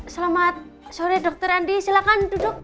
selamat sore dr andi silakan duduk